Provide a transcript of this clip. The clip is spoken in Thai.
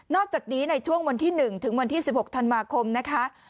อกจากนี้ในช่วงวันที่๑ถึงวันที่๑๖ธันวาคมนะคะ